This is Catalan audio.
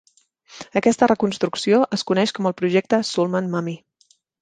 Aquesta reconstrucció es coneix com el projecte Sulman Mummy.